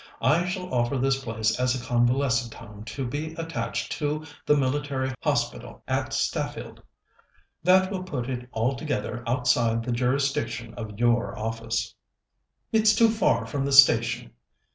I shall offer this place as a convalescent home to be attached to the Military Hospital at Staffield. That will put it altogether outside the jurisdiction of your office." "It's too far from the station."